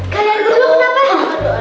kalian dulu kenapa